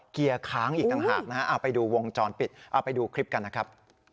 เกียร์ค้างอีกต่างหากนะฮะเอาไปดูวงจรปิดเอาไปดูคลิปกันนะครับ